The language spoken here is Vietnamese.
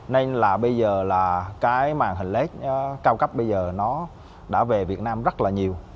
nên là bây giờ là cái màn hình led cao cấp bây giờ nó đã về việt nam rất là nhiều